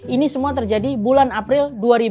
ini semua terjadi bulan april dua ribu dua puluh